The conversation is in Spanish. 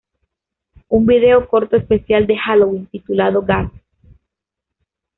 Un video corto especial de Halloween titulado "Gag!